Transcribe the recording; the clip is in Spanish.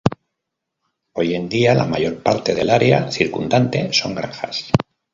Hoy en día, la mayor parte del área circundante son granjas.